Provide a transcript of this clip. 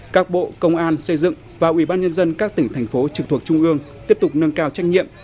các bộ công an xây dựng và ủy ban nhân dân các tỉnh thành phố trực thuộc trung ương tiếp tục nâng cao trách nhiệm